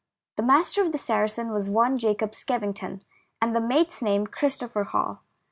The master of the Saracen was one Jacob Skevington, and the mate's name Christopher Hall.